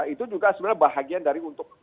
itu juga sebenarnya bahagian dari untuk